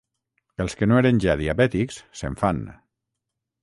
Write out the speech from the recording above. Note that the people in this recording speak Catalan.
Els que no eren ja diabètics, se'n fan.